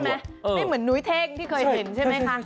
ไม่เหมือนนุ้ยเท่งที่เคยเห็นใช่ไหมคะ